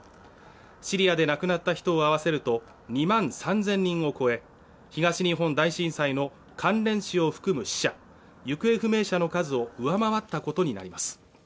シリアで亡くなった人を合わせると２万３０００人を超え東日本大震災の関連死を含む死者行方不明者の数を上回ったことになります